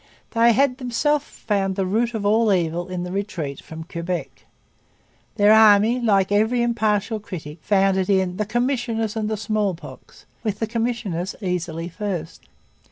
They had themselves found the root of all evil in the retreat from Quebec. Their army, like every impartial critic, found it in 'the Commissioners and the smallpox' with the commissioners easily first.